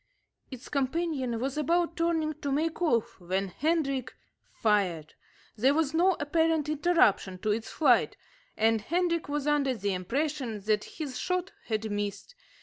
Its companion was about turning to make off when Hendrik fired. There was no apparent interruption to its flight, and Hendrik was under the impression that his shot had missed.